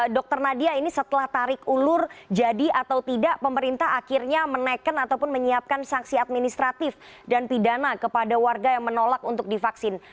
dr nadia ini setelah tarik ulur jadi atau tidak pemerintah akhirnya menaikkan ataupun menyiapkan sanksi administratif dan pidana kepada warga yang menolak untuk divaksin